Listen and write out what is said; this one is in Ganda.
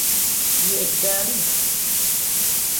Lye ddalu.